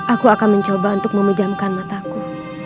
aku akan mencoba untuk memejamkan mataku